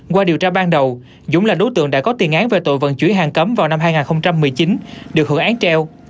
qua điều tra ban đầu dũng là đối tượng đã có tiền án về tội vận chuyển hàng cấm vào năm hai nghìn một mươi chín được hưởng án treo